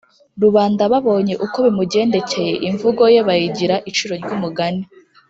rubanda babonye uko bimugendekeye imvugo ye bayigira iciro ry’umugani